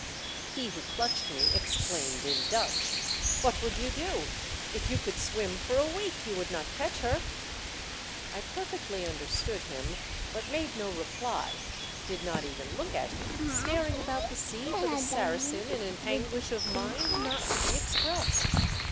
He who clutched me exclaimed in Dutch, "What would you do.'* If you could swim for a week you would not catch her." I perfectly understood him, but made no reply, did not even look at him, staring about the sea for the Saracen in an anguish of mind not to be expressed.